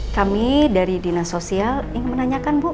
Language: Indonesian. kami dari dinas sosial ingin menanyakan bu